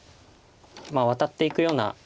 ワタっていくような。